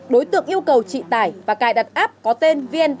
đối tượng yêu cầu chị tải và cài đặt app có tên vn tám mươi bốn